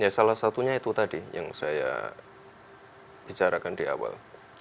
ya salah satunya itu tadi yang saya bicarakan di awal